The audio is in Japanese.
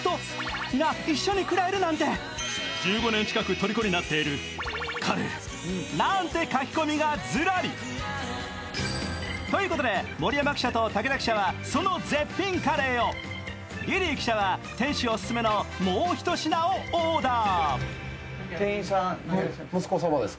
結構名だたる方が。ということで、盛山記者と武田記者はその絶品カレーをリリー記者は、店主オススメのもう一品をオーダー。